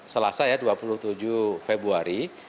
selasa ya dua puluh tujuh februari